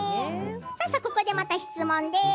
ここで、また質問です。